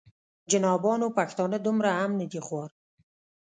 جنابانو پښتانه دومره هم نه دي خوار.